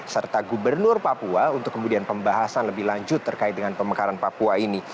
serta gubernur papua untuk kemudian pembahasan lebih lanjut terkait dengan pemekaran papua ini